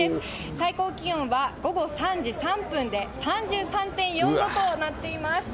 最高気温は午後３時３分で３３．４度となっています。